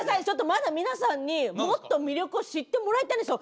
まだ皆さんにもっと魅力を知ってもらいたいんですよ。